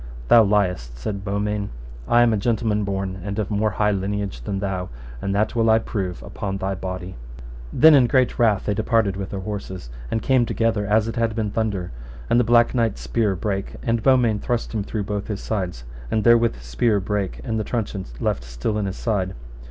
Thou liest, said Beaumains, I am a gentleman born, and of more high lineage than thou, and that will I prove on thy body. Then in great wrath they departed with their horses, and came together as it had been the thunder, and the Black Knight's spear brake, and Beaumains thrust him through both his sides, and therewith his spear brake, and the truncheon left still in his side.